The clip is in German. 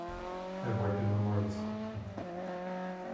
Er wollte nur mal was gucken.